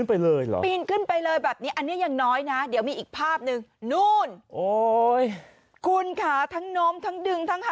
ปีนขึ้นไปเลยแบบนี้อันนี้ยังไม่ออกนะเดี๋ยวมีอีกภาพนึง